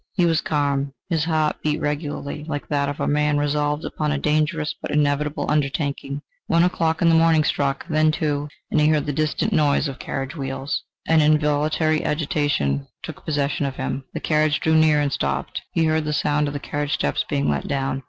He was calm; his heart beat regularly, like that of a man resolved upon a dangerous but inevitable undertaking. One o'clock in the morning struck; then two; and he heard the distant noise of carriage wheels. An involuntary agitation took possession of him. The carriage drew near and stopped. He heard the sound of the carriage steps being let down.